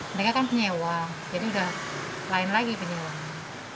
mereka kan penyewa jadi udah lain lagi penyewanya